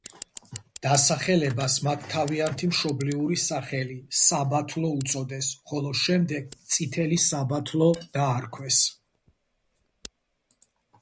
დასახლებას მათ თავიანთი მშობლიური სახელი, საბათლო უწოდეს, ხოლო შემდეგ წითელი საბათლო დაარქვეს.